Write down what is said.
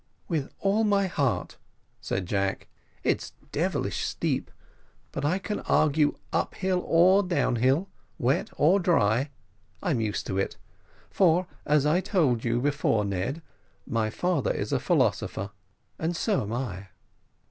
"With all my heart," said Jack, "it's devilish steep, but I can argue up hill or down hill, wet or dry I'm used to it for, as I told you before, Ned, my father is a philosopher, and so am I."